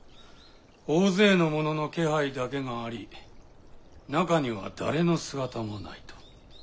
大勢の者の気配だけがあり中には誰の姿もないと。